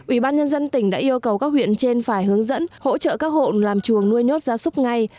ủy ban nhân dân tỉnh đã yêu cầu các huyện trên phải hướng dẫn hỗ trợ các hộ làm chuồng nuôi nhốt gia súc ngay